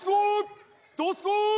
どすこい！